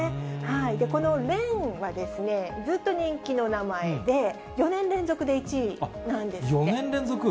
このれんはですね、ずっと人気の名前で、４年連続で１位なんです４年連続？